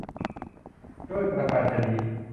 ด้วยประการฉะนี้